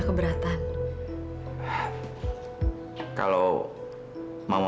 masa allah sas